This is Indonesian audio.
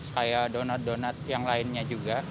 kayak donat donat yang lainnya juga